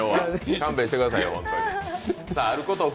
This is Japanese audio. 勘弁してください。